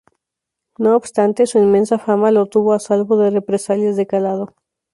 No obstante, su inmensa fama lo tuvo a salvo de represalias de calado.